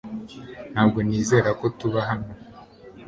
Ntabwo nizera ko tuba hano